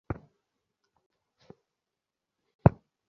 আমরা এসব গ্রাহক ও নতুন কিছু ভালো প্রতিষ্ঠানকে ব্যাংকে নিয়ে এসেছি।